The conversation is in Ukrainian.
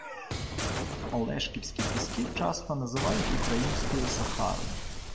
Олешківські піски часто називають українською «Сахарою»